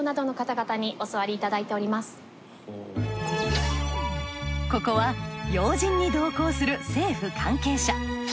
ここにはここは要人に同行する政府関係者